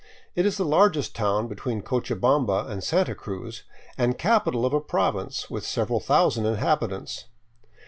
It is the largest town between Cochabamba and Santa Cruz and capital of a province, with several thousand inhabitants.